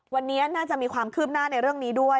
วันนี้น่าจะมีความคืบหน้าในเรื่องนี้ด้วย